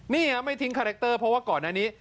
นี่ไม่ทิ้งคาเล็กเตอร์เบอร์ว่าก่อนนี้